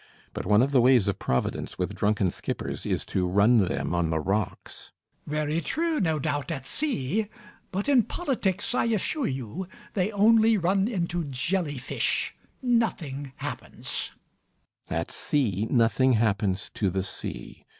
But one of the ways of Providence with drunken skippers is to run them on the rocks. MAZZINI. Very true, no doubt, at sea. But in politics, I assure you, they only run into jellyfish. Nothing happens. CAPTAIN SHOTOVER. At sea nothing happens to the sea.